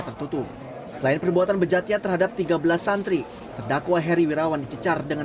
tertutup selain perbuatan bejatian terhadap tiga belas santri terdakwa heri wirawan dicecar dengan